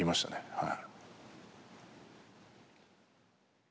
はい。